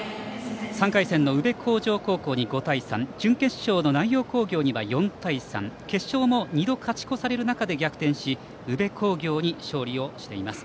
３回戦の宇部鴻城高校に５対３準決勝の南陽工業には４対３決勝も２度勝ち越される中で逆転し宇部工業に勝利しています。